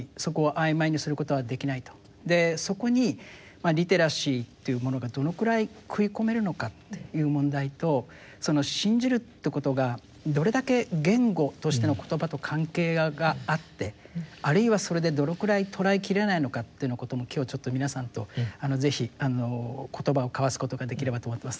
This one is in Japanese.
そこにリテラシーというものがどのくらい食い込めるのかという問題とその信じるっていうことがどれだけ言語としての言葉と関係があってあるいはそれでどのくらい捉えきれないのかというようなことも今日ちょっと皆さんと言葉を交わすことができればと思っています。